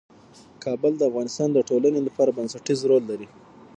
کابل د افغانستان د ټولنې لپاره بنسټيز رول لري.